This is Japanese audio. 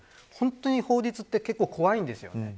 本当に法律は結構怖いんですよ。